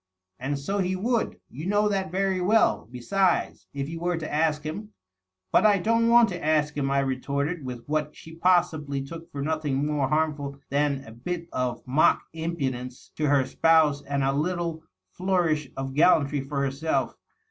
" And so he would — ^you know that very well, besides — ^if you were to ask him." " But I don't want to ask him," I retorted, with what she possibly took for nothing more harmful than a bit of mock impudence to her spouse and a little flourish of gallantry for herself.